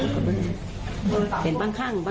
อีกแล้วหรอ